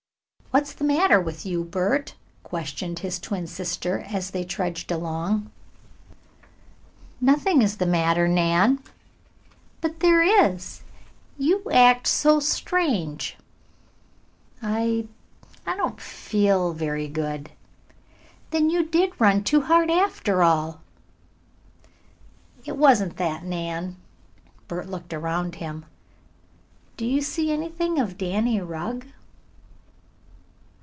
"What's the matter with you, Bert?" questioned his twin sister, as they trudged along. "Nothing is the matter, Nan." "But there is. You act so strange." "I I don't feel very good." "Then you did run too hard, after all." "It wasn't that, Nan." Bert looked around him. "Do you see anything of Danny Rugg?"